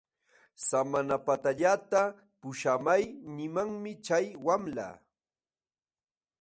Samanapatallata puśhamay nimanmi chay wamla.